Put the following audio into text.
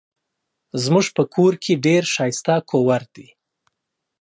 زمونږ په کور کې ډير ښايسته کوور دي